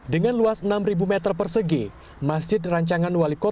dengan luas enam meter persegi